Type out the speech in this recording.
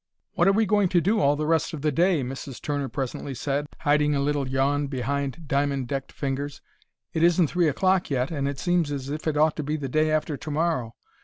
"What are we going to do all the rest of the day?" Mrs. Turner presently said, hiding a little yawn behind diamond decked fingers. "It isn't three o'clock yet, and it seems as if it ought to be the day after to morrow.